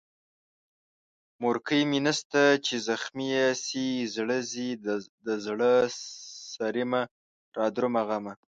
مورکۍ مې نسته چې زخمي يې سي زړه، زې دزړه سريمه رادرومه غمه